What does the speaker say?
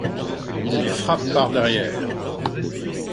Il les frappe par derrière.